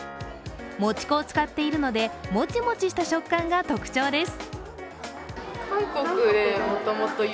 もち粉を使っているのでモチモチした食感が特徴です。